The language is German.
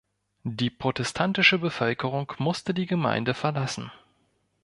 Die protestantische Bevölkerung musste die Gemeinde verlassen.